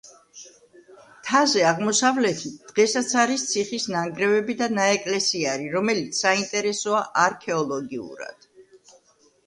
მთაზე აღმოსავლეთით დღესაც არის ციხის ნანგრევები და ნაეკლესიარი, რომელიც საინტერესოა არქეოლოგიურად.